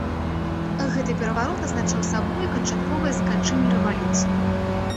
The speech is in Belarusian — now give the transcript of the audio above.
Гэты пераварот азначаў сабой канчатковае заканчэнне рэвалюцыі.